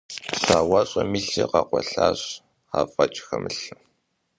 Щауэщӏэм и лъыр къэкъуэлъащ афӏэкӏ хэмылъу.